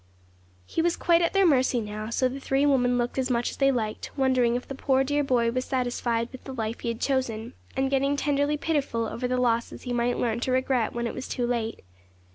He was quite at their mercy now; so the three women looked as much as they liked, wondering if the poor dear boy was satisfied with the life he had chosen, and getting tenderly pitiful over the losses he might learn to regret when it was too late.